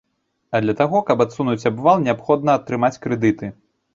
А для таго, каб адсунуць абвал, неабходна атрымаць крэдыты.